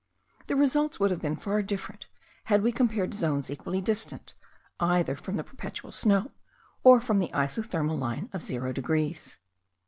The results would have been far different, had we compared zones equally distant, either from the perpetual snow, or from the isothermal line of 0 degrees.